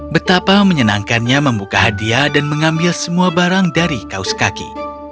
betapa menyenangkannya membuka hadiah dan mengambil semua barang dari kaos kaki